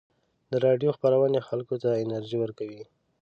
د راډیو خپرونې خلکو ته انرژي ورکوي.